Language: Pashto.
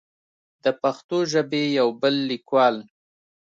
د پښتو ژبې يو بل ليکوال